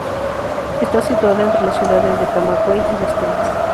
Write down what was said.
Está situada entre las ciudades de Camagüey y Las Tunas.